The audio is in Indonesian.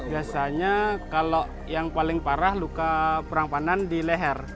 biasanya kalau yang paling parah luka perang panan di leher